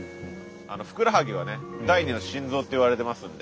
ふくらはぎはね「第２の心臓」っていわれてますんで。